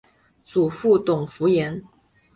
祖父董孚言。